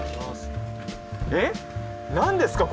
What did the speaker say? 何ですか？